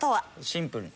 シンプルに。